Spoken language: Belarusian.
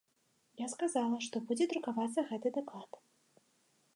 Я сказала, што будзе друкавацца гэты даклад.